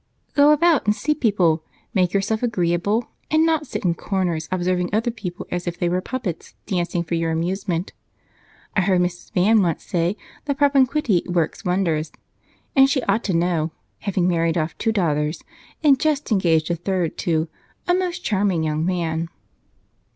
"Go about and see people, make yourself agreeable, and not sit in corners observing other people as if they were puppets dancing for your amusement. I heard Mrs. Van once say that propinquity works wonders, and she ought to know, having married off two daughters, and just engaged a third to 'a most charming young man.'?